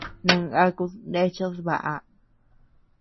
Nangakud neachead baʼa.